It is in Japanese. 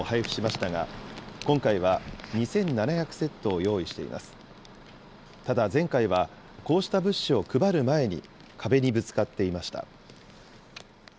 ただ、前回はこうした物資を配る前に、壁にぶつかっていました。